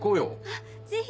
あっぜひ！